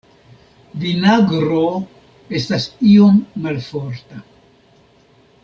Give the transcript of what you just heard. Vinagro estas iom malforta.